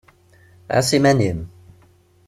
Ɛas iman-im!